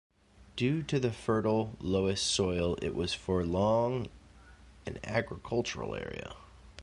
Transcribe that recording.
Due to the fertile loess soil it was for long an agricultural area.